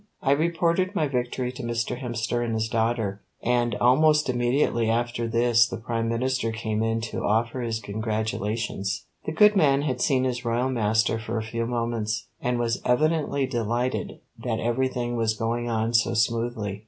I reported my victory to Mr. Hemster and his daughter, and almost immediately after this the Prime Minister came in to offer his congratulations. The good man had seen his royal master for a few moments, and was evidently delighted that everything was going on so smoothly.